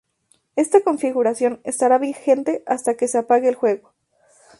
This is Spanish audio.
Esta configuración estará vigente hasta que se apague el juego.